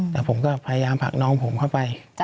แต่ผมก็พยายามผลักน้องผมเข้าไป